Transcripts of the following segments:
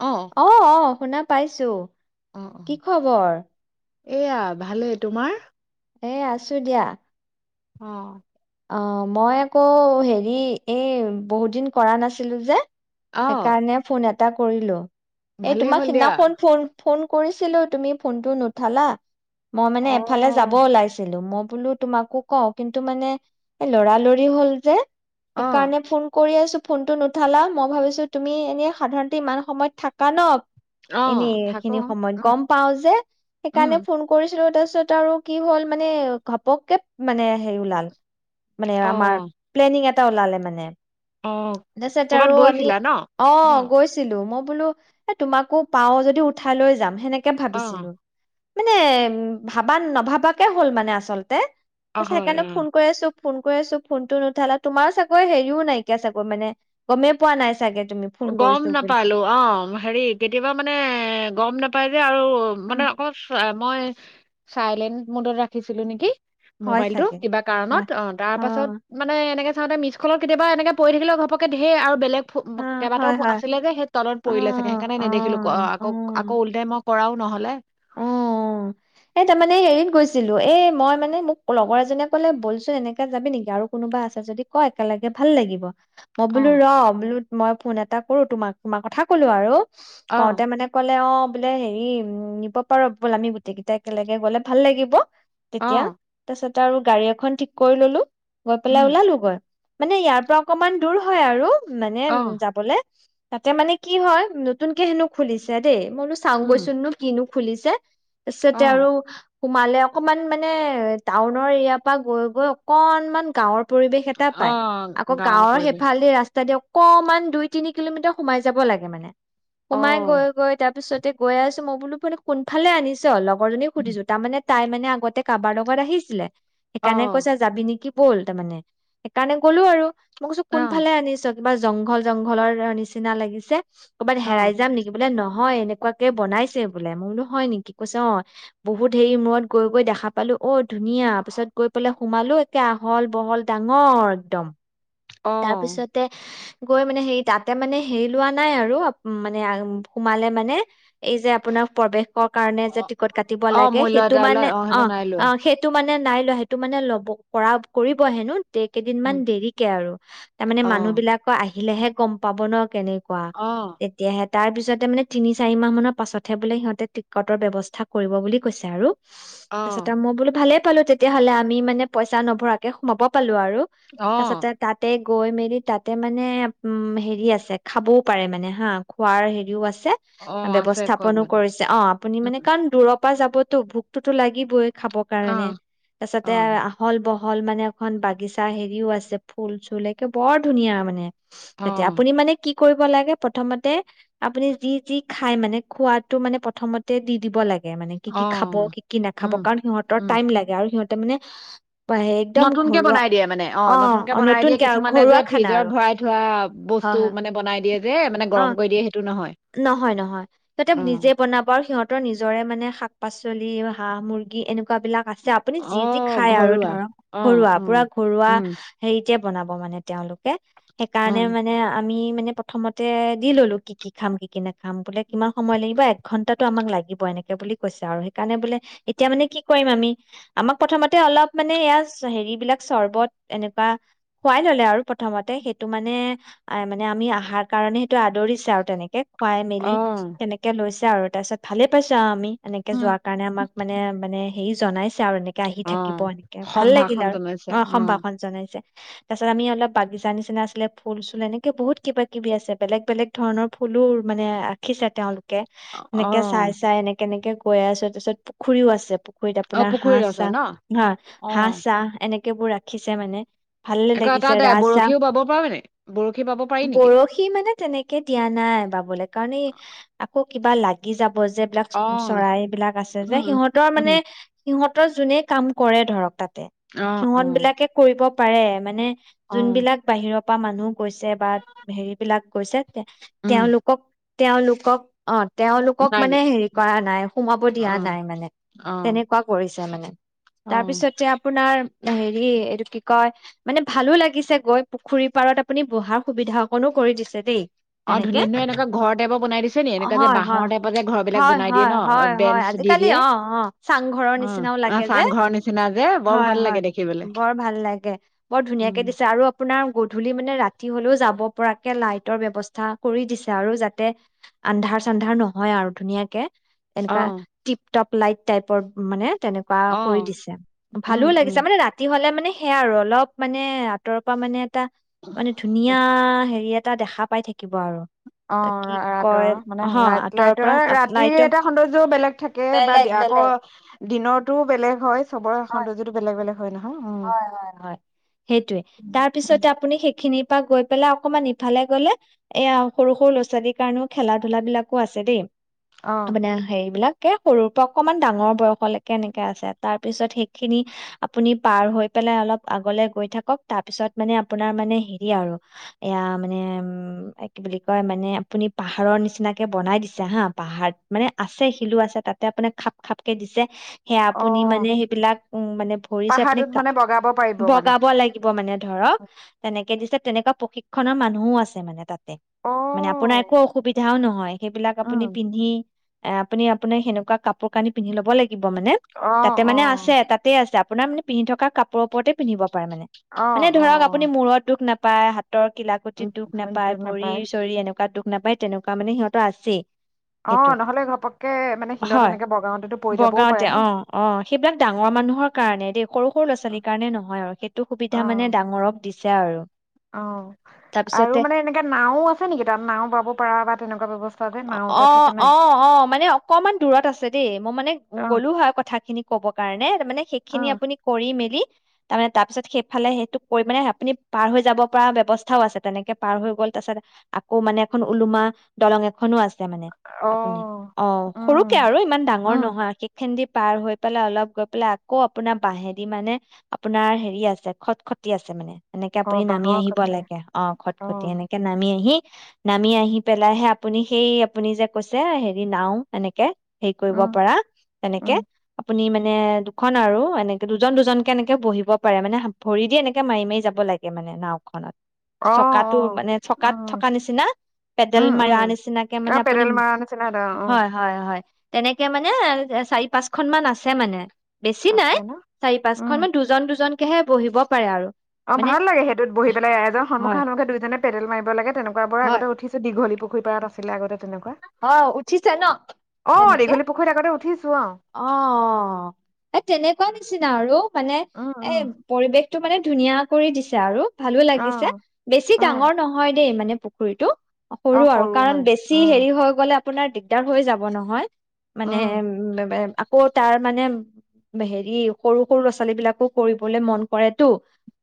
অ', অ-অ, শুনা পাই পাইছোঁ। কি খবৰ? এইয়া, ভালে তোমাৰ? এ আছো দিয়া। অ' অ মই আকৌ হেৰি, এ বহুত দিন কৰা নাছিলো যে। সে অ', কাৰণে ফোন এটা এটা কৰিলো। এ ভালেই তোমাক হ'ল দিয়া। সিদিনাখন ফোন ফোন কৰিছিলো, তুমি ফোনটো নুঠালা। মই মানে এফালে যাব অ', ওলাইছিলো। মই বোলো তোমাকো কওঁ, কিন্তু মানে এ লৰালৰি হ'ল যে। অ', সেইকাৰণে ফোন কৰি আছো। ফোনটো নুঠালা, মই ভাবিছো তুমি এনে সাধাৰণতে ইমান সময়ত থাকা ন। অ এনেই থাকো এইখিনি সময়ত, উম, গম পাওঁ যে উম, সেইকাৰণে ফোন কৰিছিলো তাপিছত তাৰপিছত আৰু কি হ'ল মানে, ঘপককে মানে হেই ওলাল। মানে, আমাৰ অ', প্লেনিং এটা তা ওলালে মানে। অ'। তাপাছত ক'ৰবাত আৰু আমি গৈছিলা ন? অ' গৈছিলো মই বোলো, এ তোমাকো পাওঁ যদি উঠাই লৈ যাম সেনেকে কে ভাবিছিলো। অ', মানে এ ভাবা, নাভাবাকে হ'ল মানে আচলতে। অ', [unintelligible] হয়, চাইকানে অ', ফোন কৰি আছো। ফোন কৰি আছো ফোনটো নুঠালা, তোমাৰো চাগৈ হেৰিও নাইকিয়া চাগৈ মানে গমেই পোৱা নাই চাগে। তুমি ফোন গম কৰিছো বুলি নাপালো, অ' হেৰি কেতিয়াবা মানে গম নেপাই এ আৰু মানে উম, অকল মই চাইলেন্ট মুডত ৰাখিছিলো নেকি। হয় মোবাইলতটো চাগে কিবা হয় কাৰণত অ তাৰ অ পাছত মানে এনেকে তাত মি্চকলত কেতিয়াবা এনেক পৰি থাকিলে ঘপকে ধেৰ আৰু বেলেগ [inaudible] কিবাটা আছিলে যে সেই তলত পৰিলে চাগে। সেইকাৰণে নেদেখিলো। অ', আকৌ আকৌ ওলটাই মই কৰাও নহলে। অ'। এ তাৰমানে এই এৰিত গৈছিলো এই মই মানে মোক লগৰ এজনে কলে বলচোন এনকা যাবি নেকি আৰু কোনোবা আছে যদি ক একেলগে ভাল লাগিব। মই অ বলো ৰ'। বুলু মই ফোন এটা কৰো তোমাক তোমাৰ কথা ক'লো আৰু। অ কওঁতে মানে কলে অ' বোলে হেৰি উ নিব পাৰো ব'ল আমি গোটেই কেইটা একেলগে গলে ভাল লাগিব। অ তেতিয়া তাৰ পিছ তা আৰু গাড়ী এখন ঠিক কৰি ললো। গৈ পেলাই উম ওলালো গৈ। মানে ইয়াৰ পৰা অকমান দূৰ হয় আৰু। মানে, অ যাবলৈ। তাতে মানে কি হয় নতুনকে হেনো খুলিছে দেই। মইনো চাওঁ গৈ উম চোননো কিনো খুলিছে। অ তাৰছতে আৰু সোমালে অকমান মানে টাউনৰ এয়াৰ পৰা গৈ গৈ অকনমান গাঁৱৰ পৰিৱেশ এটা অ পাই আকৌ গাঁৱৰ গাঁওৰ পৰিৱেশ সেফাল দি ৰাস্তা দিয়ক অকমান দুই তিনি কিলোমিটাৰ সোমাই যাব লাগে মানে। অ সোমাই গৈ গৈ তাৰ পিছতে গৈ আছো মই বোলো কোন ফালে আনি পিছে অলপ লগৰজনী উম, সুধিছো তাৰ মানে তাই মানে আগতে কাৰবাৰ লগত আহিছিলে। অ সেইকাৰণে কৈছা অ যাবি নেকি। ব'ল তাৰমানে, সেইকাৰণে গ'লো আৰু। মোক কৈছো কোনফালে আনিছ। কিবা জংঘল জংঘলৰ নিচিনা লাগিছে। ক'ৰবাত অ হেৰাই যাম নেকি বোলে ন। হয় এনেকুৱাকে বনাইছে বোলে মই বোলো হয় নেকি কৈছে অ বহুত হেৰি মূৰত গৈ গৈ দেখা পালোঁ অ ধুনীয়া পিছত গৈ পেলাই সোমালো একে আহল বহল ডাঙৰ একদম অ তাৰপিছতে গৈ মানে হেৰি তাতে মানে হেৰি লোৱা নাই আৰু আ মানে সোমালে মানে এই যে আপোনাৰ প্ৰবেশৰ কাৰণে যে অ টিকট কাটিব অ লাগে মূল্য সেইটো এটা লয় মানে অ সেইটো নাই লোৱা অ সেইটো মানে নে নাই লোৱা সেইটো মানে ল'ব কৰা কৰিব হেনো এই কেইদিনমান উম দেৰিকে আৰু তাৰমানে অ মানুহ বিলাকৰ আ আহিলেহে গম পাব ন কেনেকা কোৱা অ তেতিয়াহে তাৰ পিছতে মানে তিনি চাৰি মাহ মানৰ পাছতহে বোলে সিহঁতে টিকটৰ ব্যৱস্থা কৰিব বুলি কৈছে আৰু অ তাৰপিছতে আৰু মই বোলো ভালেই পালো তেতিয়াহলে আমি মানে পইচা নভৰাকে সোমাব পালো আৰু অ তাৰপছতে গৈ মেলি তাতে মানে উম হেৰি আছে খাবও পাৰে মানে হা খোৱাৰ হেৰিও আছে অ আছে কয় ব্যৱস্থাপনো মানে কৰিছে অ আপুনি মানে উম, কাৰণ দূ শুৱা যাবতো ভোকতোতো লাগিবই খাবৰ কাৰণে অ', তাৰ অ', পছতে আহল বহ হল মানে এখন বাগিচা হেৰিও আছে ফুল চুল একে বৰ ধুনীয়া মানে তয়া অ', আপুনি মানে কি কৰিব লাগে প্ৰথমতে আপুনি যি যি খাই মানে খোৱাতটো মানে প্ৰথমতে দি দিব লাগে মানে কি কি খাব অ', কি কি নাখাব উম, কাৰণ সিহঁতৰ উম, টাইম লাগে আৰু সিহঁৰ তাৰ মানে একদম নতুনকে ঘৰুৱা বনাই দিয়ে মানে অ নতুনকে অ, বনাই দিয়ে আৰু কিছুমানে ঘৰুৱা যে খানা ফ্ৰিজত আৰু ভৰাই থোৱা হয় বস্তু হয়। মানে বনাই দিয়ে যে মানে অ'। গৰম কৰি দিয়ে সেইটো নহয় নহয় নহয় সিহঁতে অ', নিজে বনাব আৰু সিহঁতৰ নিজৰে মানে শাক পাচলি পাচলি হাঁহ মুূৰ্গী এনেকুৱা বিলাক আছে আপুনি যি যি অ', খায় আৰু ঘৰুৱা ধৰক অ', ঘৰুৱা অ', উম, পুৰা ঘৰুৱা উম, হে বনাব মানে তেওঁলোক সেইকাৰণে অ', মানে আমি মানে প্ৰথমতে দি ললো কি কি খামি কি কি নেখাম খাম বোলে কিমান সময় লাগিবা ঘন্টাটো আমাক লাগিব এনেকে বুলি কৈছে আৰু সেইকাৰণে বোলে এতিয়া মানে কি কৰিম আমি আমাক প্ৰথমতে অলপ মানে ইয়াৰ হেৰি বিলাক চৰ্বত এনেকুৱা খুৱাই ললে আৰু প্ৰথমতে সেইটো মানে - মানে আমি আহাৰ কাৰণে সেইটো আদৰিছে আৰু তেনেকে- হে খুৱাই মেলি তেনেকে লৈছে আৰু। তাপিছত ভালে পাইছো আমি এনেকে উম, যোৱা কাৰণে আমাক মানে মানে হে জনাইছে আৰু এনেক এ আহি থাকিব অ', এনেকে ভাল লাগিল সম্ভাষণ আৰ, জনাইছে ওহ অ', সম্ভাষণ জনাইছে। তাৰপাছত আমি অলপ বাগিচা নিচিনা আছিলে ফুল চুল এনেকে বহুত কিবা কিবি আছে বেলেগ বেলেগ ধৰণৰ ফুলুৰ মানে ৰাখিছে তেওঁলোক নেকে এনেকে চাই অ', চাই এনেকে এনেকে কৈ আছে পিছত পুখুৰীও আছে। -খুৰীত অ', আপোনাৰ হাঁ পুখুৰীৰ আছে চাহ ন হা হাঁহ অ', চাহ এনেক। কেবোৰ ৰাখিছে মানে। ভালে আকৌ এটা লাগিছে দে ৰাজহাঁহ বৰশীও বাব পাৰি নি বৰশী বাব পাৰি নেকি বৰশী মানে তেনেকে। নাই বাবলৈ কাৰণেই। আকৌ কিবা লাগি যাব। ব যি বিলাক অ', চৰাইবিলাক আছে উম, যে উম, সিহঁতৰ মানে উম, সিহঁত যোনে কাম কৰে ধৰক তাত। অ', সিহঁত অ', বিলাকে কৰিব। পাৰে মানে অ', যোনবিলাক বাহিৰত- পা মানুহ গৈছে বা হেৰি বিলাক গৈছে। উম, তেওঁলোকক- তেওঁলোকক অ। তেওঁলোকক নাই দি মানে হেৰি কৰা নাই সোমাব দিয়া অ', নাই মানে অ', তেনেকুৱা কৰিছে। বেয়া লাগে। অ', তাৰপিছতে আপোনাৰ- হেৰি এইটো কি কয় মানে ভালো লাগিছে গৈ পুখুৰী পাৰত আপুনি বহাৰ সুবিধা অকনো কৰি দিছে দেই। অ', তেনেকে ধুনীয়া ধুনীয়া এনেকুৱা ঘৰ টাইপৰ বনাই দিছে নি? এনেকুৱা যে হয় হয় বাঁহৰ টাইপৰ যে ঘৰ বিলাক হয় বনাই দিয়ে হয় ন' হয় অ', হয় বেঞ্চ দি আজিকালি দিয়ে? অ অ চাংঘৰৰ অ', নিচিনাও অ', লাগে যে চাংঘৰৰ নিচিনা যে বৰ হয় ভাল হয় লাগে দেখিবলে। বৰ ভাল লাগে বৰ উম, ধুনীয়াকে দিছে আৰু আপোনাৰ গধূলি মানে ৰাতি হলেও। যাব পৰাকে লাইটৰ ব্যৱস্থা। স্থা কৰি দিছে আৰু যাতে আন্ধাৰ চানধাৰ নহয় আৰু ধুনীয়াকে। এনকা অ', টিপ। টপ লাইট টাইপৰ মানে। তেনেকুৱা কৰি অ', দিছে উম, ভালও উম। লাগিছে মানে ৰাতি হলে মানে- সেয়া আৰু, অলপ মানে আঁতৰৰ পৰা মানে এটা মানে ধুনীয়া হেৰিয়াত এটা দেখা পাই থাক অ' ৰাতৰ মানে হ লাই আঁতৰৰ পৰা লাইটৰ ৰাতিৰ লাইটৰ এটা সৌন্দৰ্য বেলেগ থাকে বা বেলেগ আকৌ বেলেগ দিনৰতটোও বেলেগ হয় চবৰে হয় সৌন্দৰ্যতটো বেলেগ বেলেগ-া হয় হয় হয় সেইটোৱে, উম, তাৰপিছতে আপুনি সেইখিনি তাত গৈ পেলাই অকনমান ইফালে গলে এয়া সৰু সৰু ল'ৰা ছালীৰ কাৰণেও খেলা ধলা বিলাকো আছে দেই। অ', আপোনাৰ সেইবিলাক কে সৰুৰ পৰা অকমান ডাঙৰ বয়সলৈকে এনেকে আছে, তাৰ পিছত সেইখিনি আপুনি পাৰ হৈ পেলাই অলপ আগলে গৈ থাকক, তাৰ পিছত মানে আপোনাৰ মানে হেৰি আৰু এয়া মানে উম কি বুলি কয় মানে আপুনি পাহাৰৰ নিচিনাকে বনাই দিছে হা পাহাৰ মানে আছে শিলো আছে তাতে আপুনি খাপ খাপকে দিছে সেয়া আপুনি অ', মানে সেইবিলাক উ মানে ভৰি চ পাহাৰটোত মানে বগাব পাৰিব মানে বগাব লাগিব মানে ধৰক তেনে তেনে দিছে তেনেকুৱা প্ৰশিক্ষণৰ মানুহো আছে মানে তাত। মানে আপোনাৰ একো অ'। অসুবিধাও নহয় সেইবিলাক উম। আপুনি পিন্ধি এ' আপুনি আপোনাৰ সনেকুৱা কাপোৰ কানি পিন্ধি ল'ব লাগি লিব মানে অঁ তাতে মানে আছে অঁ তাতে আছে। আপোনাৰ মানে পিন্ধ থকা কাপোৰৰ ওপৰতে পিন্ধিব পাৰে মানে, অঁ ধৰক অঁ আপুনি মূৰত দুখ নাপা [unintelligible] তৰ কিলাকুতিত দুখ নাপায়, ভৰি চৰি এনেকুৱা দুখ নাপায়, তেনেকুৱা মানে সিহঁত আছে অঁ সেইটোত, নহ'লে ঘপককে মানে শিলত হয়, এনেকে বগাওতেতো পৰি যাবও পাৰে বগাওঁতে ন অ' অ' সেইবিলাক ডাঙৰ মানুহৰ কাৰণে দেই, সৰু সৰু ল' ছোৱালীৰ কাৰণে নহয় আৰু সেইটো সুবিধা মানে ডাঙৰক দিছে আৰু, অ' তাৰপিছতে আৰু মানে এনেকা নাওঁ আছে নেকি তাত নাওঁ বাব পৰা বা তেনেকুৱা ব্যয়ৱস্থা অ অ অ মানে অকমণ দূৰত আছে দেই, মই মানে অঁ গোলো হয় খিনি ক'ব কাৰণে মানে সেইখিনি অঁ আপুনি কৰি মেলি তাৰমানে তাৰ পিছত সেইফালে সেইটো কৰি মানে আপুনি পাৰ হৈ যাব পৰা ব্যয়ৱস্থাও আছে তেনেকে পাৰ হৈ গ'ল তাৰ পাছত আকৌ মানে এখন ওলোমা দলং এ খনো আছে। মানে আপুনি, অঁ অ' সৰুকে আৰু ইমান ডাঙৰ নহয় সেই খনেদি পাৰ হৈ পেলাই অলপ গৈ পেলাই আকৌ আপোনাৰ বাঁহেদি মানে আপোনাৰ হেৰি আছে খট খতি আছে মানে এনেকে অঁ আপুনি নামি বাঁহৰ আহিব কাঠতে লাগে, অ' খট খতি অঁ এনেকে নামি আহি নামি আহি পেলাই হে আপুনি সেই আপুনি যে কৈছে হেৰি নাও এনেকে হেৰি কৰিব অঁ পৰা তেনেকে আপুনি মানে মানে দুখন আৰু এনেকে দুজন দুজনকে এনেকে বহিব পাৰে মানে ভৰি দি এনেকে মাৰি মাৰি যাব লাগে মানে নাওখনত চকাটো অঁ মানে চকাত থকা নিচিনা পেডেল মাৰা নিচিনা চিনাকি মানে অঁ আপুনি পেডেল মৰা নিচিনা এটা অঁ হয় হয় হয় তেনেকে মানে চাৰি পাঁচখন মান আছে মানে বেছি নাই আছে ন চাৰি পাঁচখন উম মানে দুজন দুজন হে বহিব পাৰে আৰু অ মানে ভাল লাগে সেইটোত বহি পেলাই এজন সম্মুখে হয় সন্মুেখ দুজনে পেডেল মাৰিব লাগে তেনেকুৱা বোৰত হয় আগতে উঠিছো দিঘলী পুখুৰ খোপাত আছিলে আগতে তেনেকুৱা অ উঠিছে ন অ তেনেকে দীঘলী পুখুৰীত আগতে উঠিছো অ এ তেনেকুৱা নিচিনা আৰু মানে উম এ উম পৰিৱেশ তোক মানে ধুনীয়া কৰি দিছে আৰু ভালো অ লাগিছে বেছি অ ডাঙৰ নহয় দেই মানে পুখুৰীটো অ সৰু আৰু কাৰণ মানে বেছি অ হেৰিও গলে আপোনাৰ দিগদাৰ হৈ যাব নহয় মানে উম বেবাএ বাক আকৌ তাৰ মানে হেৰি সৰু সৰু ল'ৰা ছোৱালী বিলাকো কৰিবলে মন কৰে টো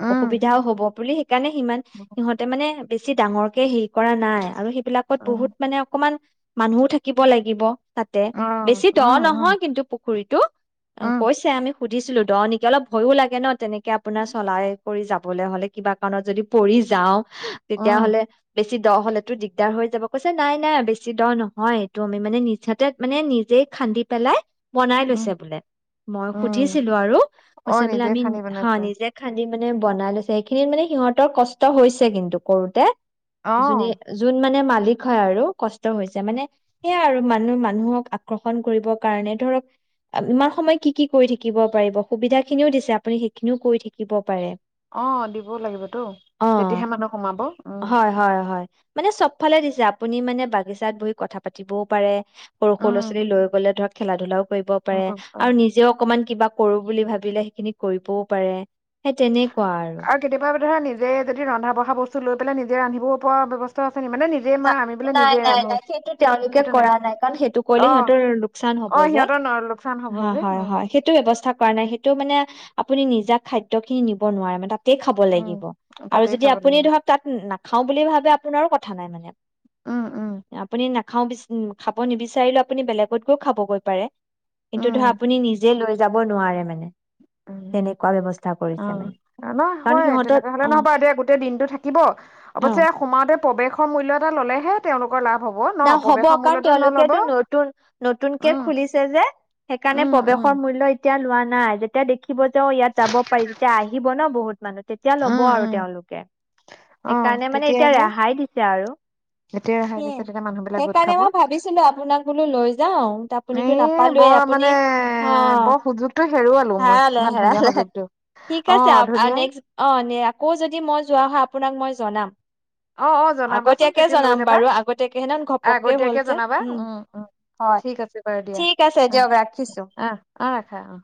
উম অসুবিধাও হ'ব বুলিক সেইকাৰণে সিমান সিহঁতে মানে বেছি ডাঙৰকে হেৰি কৰা নাই আৰু হিপ বিলাকত উম বহুত মানে অক অকমান মানুহও থাকিব লাগিব তাতে অ বেছি দ উম উম নহয় কিন্তু পুখুৰীটো উম কৈছে আমি সুধিছিলো দ নেকি অলপ ভয়ো লাগে ন তেনেক কে আপোনাৰ চলায়ে পৰি যাবলৈ হলে কিবা কাৰণত যদি পৰি যাওঁ আহ উম তেতিয়াহ'লে বেছ দ হলেতো দিগদাৰ হৈ যাব কৈছে নাই নাই বেছি দ নহয় এইটো আমি মানে নিচতে মানে নিজেই খান্দি পেলাই বনাই উম লৈছে বোলে মই উম সুধিছিলো আৰু অ কৈছে বোলে নিজে আমি খান্দি হা বনাইছে নিজে খান্দিম মানে বনাই লৈছে সেইখিনিত মানে সিহঁতৰ কষ্ট হৈছে কিন্তু কৰোতে অ জুনিয়ে যোন মানে মা লিক হয় আৰু কষ্ট তোৰ হৈছে মানে সেয়াই আৰু মানুহ মানুহক আকৰ্ষণ কৰিবৰ কাৰণে ধৰক ইমান সময় কি কি কৰি থাকিব পাৰিব সুবিধা খিনিও দিছে আপুনি সেইখিনিও কৰি থাকিব পাৰে অ দিবও লাগিবতো অ তেতিয়াহে মানুহ সোমাব উম হয় হয় হয় মানে চবফালে দিছে আপুনি মানে বাদ বাগিচাত বহি কথা পাতিবও পাৰে সৰু সৰু লৰা উম ছোৱালী লৈ গ'লে ধৰক খেলা ধূলাওক কৰিব পাৰে আৰু নিজেও অকমান। কিবা কৰো বুলি ভাবিলে সেইখিনি কৰিবও পাৰে। সেই তেনেকুৱা আৰু কেতিয়াবা কেতিয়াবা নিজে যদি ৰন্ধা বঢ়া বস্তু লৈ পেলাই নিজে ৰান্ধিব। গ পোৱা ব্যৱস্থা আছে নি মানে নিজে মা আমি বোলে নাই নিজে নাই ৰান্ধো নাই সেইটো তেওঁলোকে কৰা নাই কাৰণ সেইটো কৰিলে অ সিহঁতৰ লোকচান হব অ যে সিহঁতৰ ন লোকচান হ'ব হয় যে হয় উম হয় সেইটো ব্যৱস্থা। কৰা নাই সেইটো মানে আপুনি নিজা খাদ্য খিনি নিব নোৱাৰে মানে। খাব লাগিব উম আৰু তাতেই যদি খাব আপুনি লাগিব ধৰক তাত নাখাও বুলি ভাবে আপোনাৰ ক। থানাই মানে। উম উম আপুনি ন। খাওঁচ খাব নিবিচাৰিলেও আপুনি বেলেগত গৈও খাবগৈ পাৰে কিন্তু ধৰা আপুনি নিজে লৈ যাব নোৱাৰে মানে। উ তেনেকুৱা ব্যৱস্থা অ কৰিছে মানে। ন কাৰণ হয় সিহঁতৰ তেনেকুৱা হলে অ' নহবা এতিয়া গোটেই দিনটো থাকিব অ' অৱশ্যে সোমাওতে প্ৰৱেশৰ মূল্যত ললেহে তেওঁলোক। না হ'ব কাৰণ তেওঁলোকেটো নতুন নতুনকে উম খুলিছে যে সেইকাৰণে উম উম প্ৰৱেশৰ মূল্য। তেতিয়া লোৱা নাই যেতিয়া দেখিব যে অ ইয়াত যাব পাৰি তেতিয়া আহিব ন বহুত মানুহ। তেতিয়া ল'ব উম আৰু উম তেওঁলোকে অ সেইকাৰণে মানে এতিয়া ৰেহাই দিছে। আৰু এতিয়া ৰেহাই সেয়ে দিছে। মানুহ বিলাক গোট সেইকাৰণে খাব মই ভাবিছিলো আপোনাক বোলো লৈ যাও এ আপুনিতো নাপালুবে বৰ আপুনি মানে অ বৰ সুযোগটো হেৰুৱালো মই হেৰালে ইমান ধুনীয়া হেৰালে সুযোগটো ঠিক অ আছে ধুনীয়া নেক্স অ আকৌ যদি মই যোৱা হয়। আপোনাক মই জনাম। অ অ জনাবাচোন আগতীয়াকে তেতিয়া লৈ জনাম যাবা বাৰু আগতীয়াকে হেন ঘপককে হ'ল আগতীয়াকে যে জনাবা উম উম হয় ঠিক আছে বাৰু দিয়া ঠিক আছে উ দিয়ক ৰাখিছো আহ আহ ৰাখা অ।